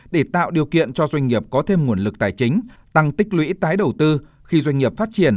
để tạo điều kiện cho doanh nghiệp có thêm nguồn lực tài chính tăng tích lũy tái đầu tư khi doanh nghiệp phát triển